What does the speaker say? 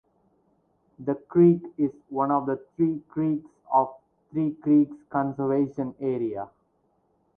The creek is one of the "three creeks" of Three Creeks Conservation Area.